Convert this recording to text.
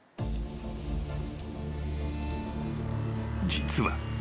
［実は。